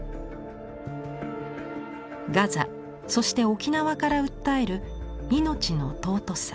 ガザそして沖縄から訴える命の尊さ。